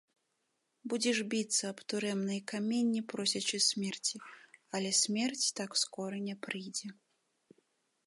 Будзеш біцца аб турэмныя каменні, просячы смерці, але смерць так скора не прыйдзе.